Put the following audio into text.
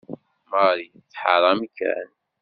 Marie tḥeṛṛ amkan.